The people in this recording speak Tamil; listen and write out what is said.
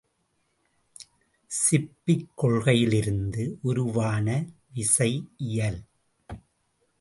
சிப்பக் கொள்கையிலிருந்து உருவான விசைஇயல்.